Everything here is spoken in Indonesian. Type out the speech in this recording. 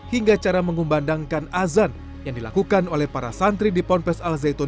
hingga cara mengumbandangkan azan yang dilakukan oleh para santri di ponpes al zaitun